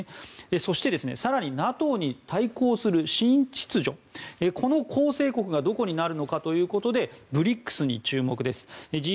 そしてＮＡＴＯに対抗する新秩序、この構成国がどこになるのかということでＢＲＩＣＳに注目です。